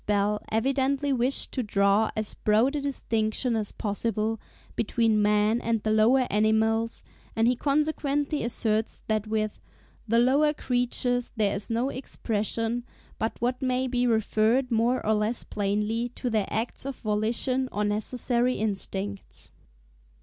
Bell evidently wished to draw as broad a distinction as possible between man and the lower animals; and he consequently asserts that with "the lower creatures there is no expression but what may be referred, more or less plainly, to their acts of volition or necessary instincts."